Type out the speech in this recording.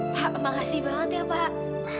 pak makasih banget ya pak